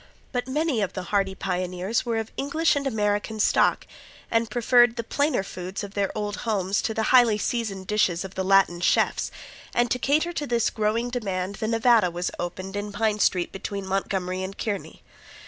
But many of the hardy pioneers were of English and American stock and preferred the plainer foods of their old homes to the highly seasoned dishes of the Latin chefs, and to cater to this growing demand the Nevada was opened in Pine street between Montgomery and Kearny.